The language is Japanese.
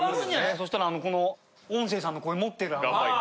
そしたらこの音声さんのこういう持ってるマイク。